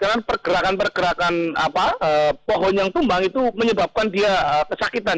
karena pergerakan pergerakan pohon yang tumbang itu menyebabkan dia kesakitan